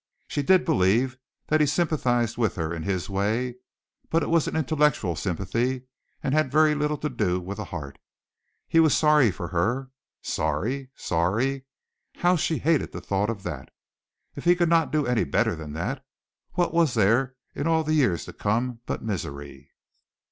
She did believe that he sympathized with her in his way, but it was an intellectual sympathy and had very little to do with the heart. He was sorry for her. Sorry! Sorry! How she hated the thought of that! If he could not do any better than that, what was there in all the years to come but misery?